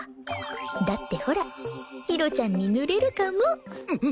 だってほらひろちゃんに塗れるかも。